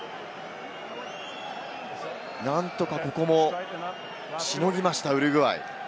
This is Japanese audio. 何とかここもしのぎました、ウルグアイ。